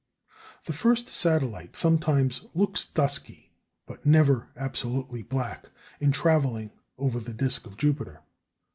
The first satellite sometimes looks dusky, but never absolutely black, in travelling over the disc of Jupiter.